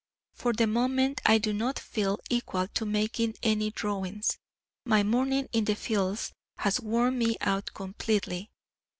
For the moment I do not feel equal to making any drawings, my morning in the fields has worn me out completely.